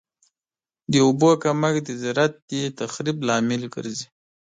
د اوبو کمښت د زراعت د تخریب لامل ګرځي.